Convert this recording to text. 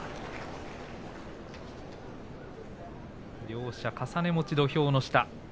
両者重ね餅土俵の下。